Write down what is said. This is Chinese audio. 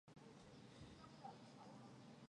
三岔水库是都江堰灌区东扩的重要节点。